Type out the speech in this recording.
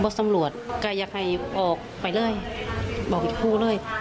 ตำรวจก็อยากให้ออกไปเลยบอกครูเลย